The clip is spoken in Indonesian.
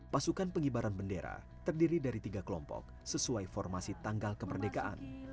pasukan pengibaran bendera terdiri dari tiga kelompok sesuai formasi tanggal kemerdekaan